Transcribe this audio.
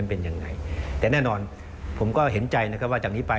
มันเป็นยังไงแต่แน่นอนผมก็เห็นใจนะครับว่า